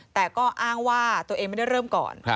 แต่ก็อ้างว่าตัวเองไม่ได้เริ่มก่อน